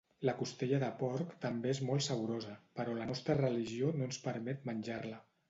La costella de porc també és molt saborosa, però la nostra religió no ens permet menjar-la.